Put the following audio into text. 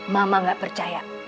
mama gak percaya